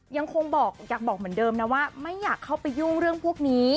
ยังคงอยากบอกเหมือนเดิมนะว่าไม่อยากเข้าไปยุ่งเรื่องพวกนี้